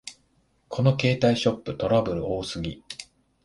この携帯ショップ、トラブル多すぎ